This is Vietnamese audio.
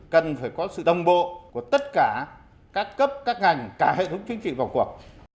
cần phải có sự đồng bộ của tất cả các cấp các ngành cả hệ thống chính trị vào cuộc